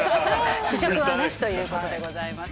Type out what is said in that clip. ◆試食はなしということでございます。